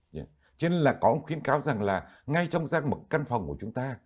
cho nên là có khuyến cáo rằng là ngay trong giang mực căn phòng của chúng ta